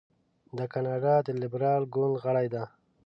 د کاناډا د لیبرال ګوند غړې ده.